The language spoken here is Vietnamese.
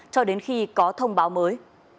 cho đến khi có thông báo mới